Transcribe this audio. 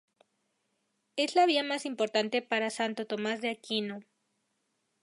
Es la vía más importante para Santo Tomás de Aquino.